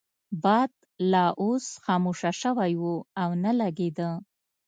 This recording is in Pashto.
باد لا اوس خاموشه شوی وو او نه لګیده.